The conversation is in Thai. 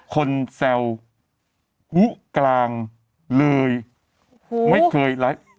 แซวฮุกลางเลยไม่เคยไลฟ์